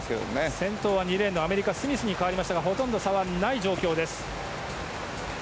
先頭は２レーンアメリカのスミスになりましたがほとんど差はない状況です。